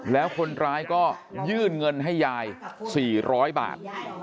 แล้วคนร้ายก็ยื่นเงินให้ยาย๔๐๐บาท